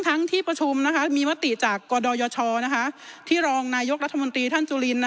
ที่ประชุมมีมติจากกดยชที่รองนายกรัฐมนตรีท่านจุลิน